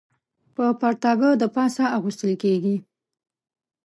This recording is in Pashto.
پر پرتاګه د پاسه اغوستل کېږي.